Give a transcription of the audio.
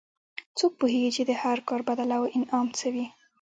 څوک پوهیږي چې د هر کار بدل او انعام څه وي